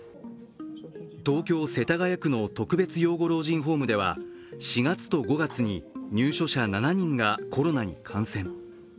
東京・世田谷区の特別養護老人ホームでは４月と５月に入所者７人がコロナに感染。